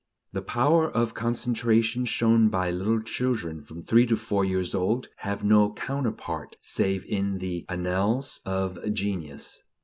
The power of concentration shown by little children from three to four years old have no counterpart save in the annals of genius.